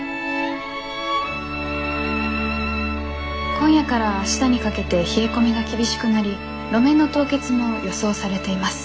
今夜から明日にかけて冷え込みが厳しくなり路面の凍結も予想されています。